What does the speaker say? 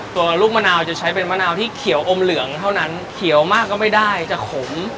ตัวลูกมะนาวจะใช้เป็นมะนาวที่เขียวอมเหลืองเท่านั้นเขียวมากก็ไม่ได้จะขม